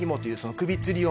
首つり用？